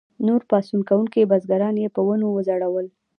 نور پاڅون کوونکي بزګران یې په ونو وځړول.